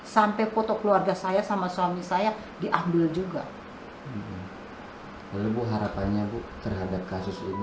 sampai foto keluarga saya sama suami saya diambil juga